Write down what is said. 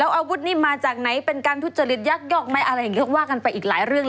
อาวุธนี่มาจากไหนเป็นการทุจริตยักยอกไหมอะไรอย่างนี้ก็ว่ากันไปอีกหลายเรื่อง